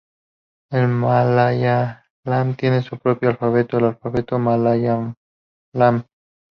El malayalam tiene su propio alfabeto, el alfabeto malayalam.